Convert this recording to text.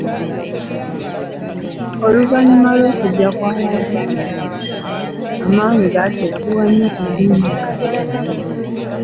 Oluvannyuma lw’okujja kw’Abawarabu, amaanyi gaateekebwa nnyo ku Lulimi.